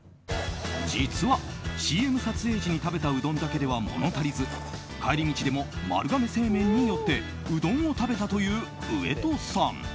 実は、ＣＭ撮影時に食べたうどんだけでは物足りず、帰り道でも丸亀製麺に寄ってうどんを食べたという上戸さん。